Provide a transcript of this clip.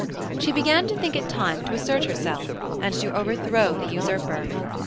She began to think it time to assert herself, and to overthrow the usurper.